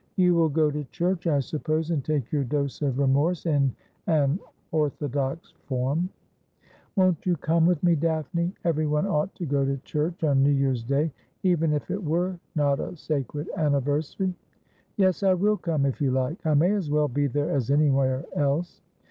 You will go to church, I suppose, and take your dose of remorse in an orthodox form !'' Won't you come with me, Daphne ? Everyone ought to go to church on New Year's Day, even if it were not a sacred anniversary.' 'Yes, I'll come, if you like. I may as well be there as any where else.'